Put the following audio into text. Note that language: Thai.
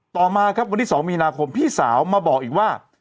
ต่อมาครับวันที่๒มีนาคมพี่สาวมาบอกอีกว่า